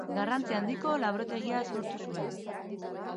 Garrantzi handiko laborategia sortu zuen.